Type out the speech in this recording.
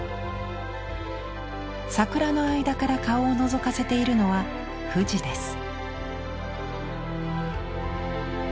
桜の間から顔をのぞかせているのは富士です。